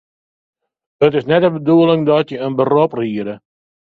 It is net de bedoeling dat je in berop riede.